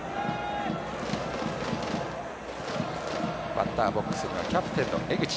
バッターボックスにはキャプテンの江口。